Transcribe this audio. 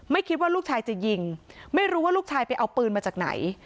คิดว่าลูกชายจะยิงไม่รู้ว่าลูกชายไปเอาปืนมาจากไหน